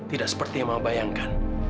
tidak seperti yang maha bayangkan